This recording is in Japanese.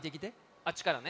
あっちからね。